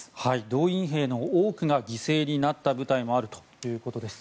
動員兵の多くが犠牲になった部隊もあるということです。